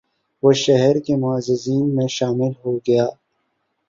وہ شہر کے معززین میں شامل ہو گیا